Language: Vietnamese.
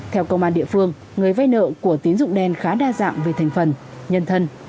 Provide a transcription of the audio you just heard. theo công an địa phương người vay nợ của tín dụng đen khá đa dạng về thành phần nhân thân